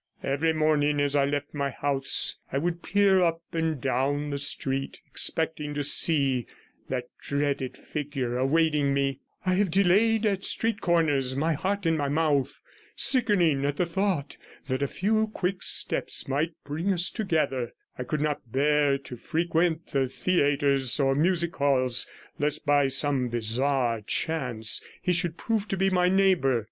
Every morning as I left my house I would peer up and down the street, expecting to see that dreaded figure awaiting me; I have delayed at street corners, my heart in my mouth, sickening at the thought that a few quick steps might bring us together; I could not bear to frequent the theatres or music halls, lest by some bizarre chance he should prove to be my neighbour.